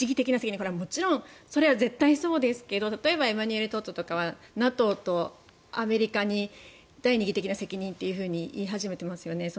これはもちろんそれは絶対にそうですけど例えばエマニュエル・トッドとかはＮＡＴＯとかアメリカに第二義的な責任と言い始めていますよね。